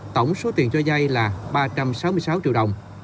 tổng số tiền cho dây là ba trăm sáu mươi sáu triệu đồng